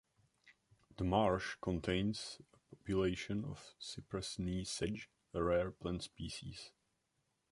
The marsh contains a population of Cypress Knee Sedge, a rare plant species.